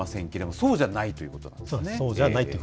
そうじゃないっていうことなんですね。